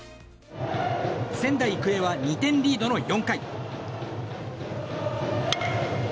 仙台育英は２点リードの４回。